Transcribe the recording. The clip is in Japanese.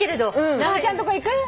直美ちゃんとこ行くって。